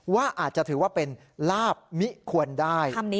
ว่าอาจจะถือว่าเป็นลาบมิควรได้